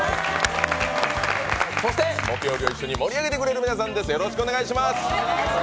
そして木曜日を一緒に盛り上げてくれる皆さんです。